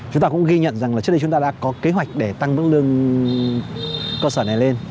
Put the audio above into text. chúng ta cũng ghi nhận rằng là trước đây chúng ta đã có kế hoạch để tăng mức lương cơ sở này lên